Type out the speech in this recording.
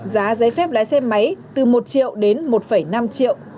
giá giấy phép lái xe máy từ một triệu đến một năm triệu